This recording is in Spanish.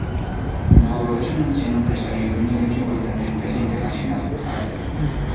Mauro es un anciano empresario dueño de una importante empresa internacional, Astro.